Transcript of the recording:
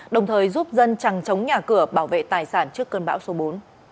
đồng thời giúp dân chẳng chống nhà cửa bảo vệ tài sản trước cơn bão số bốn